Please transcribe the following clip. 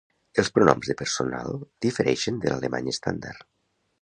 Els pronoms de personal difereixen de l'alemany estàndard.